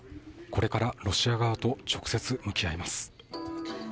これからロシア側と直接向き合います。